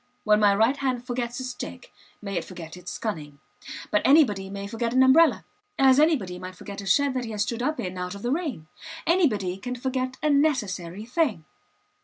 When my right hand forgets its stick may it forget its cunning. But anybody may forget an umbrella, as anybody might forget a shed that he has stood up in out of the rain. Anybody can forget a necessary thing.